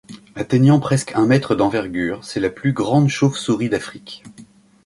Atteignant presque un mètre d'envergure, c'est la plus grande chauve souris d'Afrique.